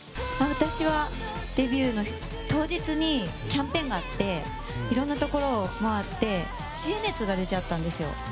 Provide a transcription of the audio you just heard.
私はデビュー当日にキャンペーンがあっていろんなところを回って知恵熱が出ちゃったんですよ。